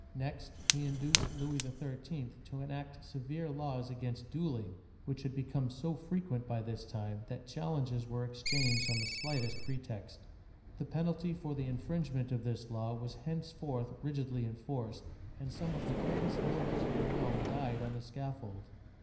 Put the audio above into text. Next, he induced Louis XIII. to enact severe laws against dueling, which had become so frequent by this time that challenges were exchanged on the slightest pretext. The penalty for the infringement of this law was henceforth rigidly enforced, and some of the greatest nobles of the realm died on the scaffold.